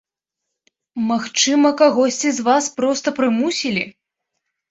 Магчыма, кагосьці з вас проста прымусілі.